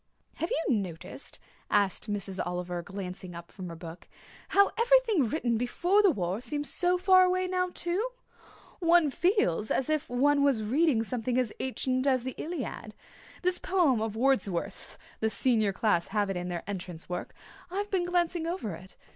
"Have you noticed," asked Miss Oliver, glancing up from her book, "how everything written before the war seems so far away now, too? One feels as if one was reading something as ancient as the Iliad. This poem of Wordsworth's the Senior class have it in their entrance work I've been glancing over it.